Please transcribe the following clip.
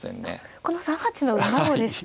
この３八の馬をですか。